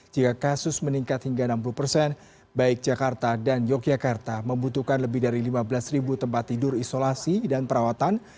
jika kasus meningkat hingga enam puluh persen baik jakarta dan yogyakarta membutuhkan lebih dari lima belas tempat tidur isolasi dan perawatan